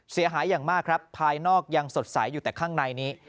อย่างมากครับภายนอกยังสดใสอยู่แต่ข้างในนี้